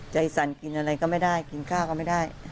สั่นกินอะไรก็ไม่ได้กินข้าวก็ไม่ได้